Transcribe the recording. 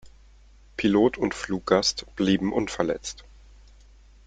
Pilot und Fluggast blieben unverletzt.